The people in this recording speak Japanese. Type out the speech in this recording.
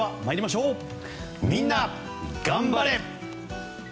みんながん晴れ！